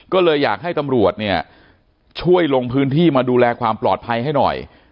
ก็เลยอยากให้ตำรวจเนี่ยช่วยลงพื้นที่มาดูแลความปลอดภัยให้หน่อย